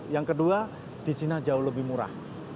yang kedua di china jauh lebih murah